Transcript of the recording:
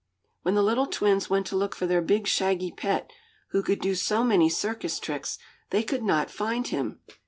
When the little twins went to look for their big, shaggy pet, who could do so many circus tricks, they could not find him.